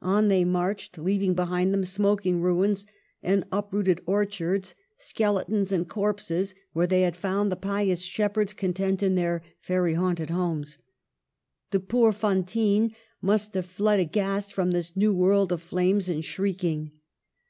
On they marched, leaving behind them smoking ruins, and uprooted or chards, skeletons, and corpses, where they had found the pious shepherds content in their fairy haunted homes. The poor Fantines must have fled aghast from this new world of flames and shrieking.